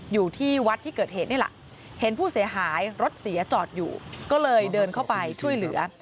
อยู่ที่วัดที่เกิดเหตุนี่แหละเห็นผู้เสียหายรถเสียจอดอยู่ก็เลยเดินเข้าไปช่วยเหลือ